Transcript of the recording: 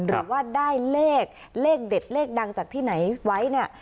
หรือว่าได้เลขเลขเด็ดเลขดังจากที่ไหนไว้เนี่ย